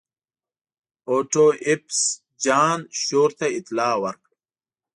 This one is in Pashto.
اوټوایفز جان شور ته اطلاع ورکړه.